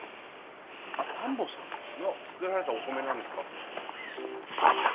あっ田んぼさん。が作られたお米なんですか？